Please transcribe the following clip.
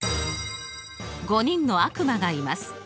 ５人の悪魔がいます。